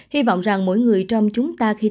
hy vọng rằng mỗi người trong chúng ta khi thấy một vụ này